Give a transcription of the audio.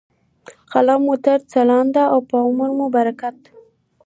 ، قلم مو تل ځلاند په عمر مو برکت .